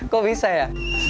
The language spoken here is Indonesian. kok bisa ya